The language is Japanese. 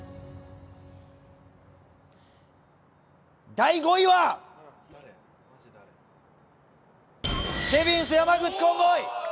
第５位はケビンス・山口コンボイ。